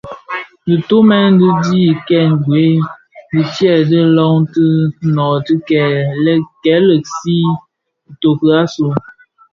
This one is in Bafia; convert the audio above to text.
Dhitumèn di dhi kèn gwed dyèdin lō, ti nooti dhi lèèsi itoki asu.